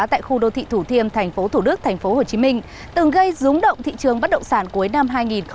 tại khu đô thị thủ thiêm tp thủ đức tp hcm từng gây rúng động thị trường bắt động sản cuối năm hai nghìn hai mươi một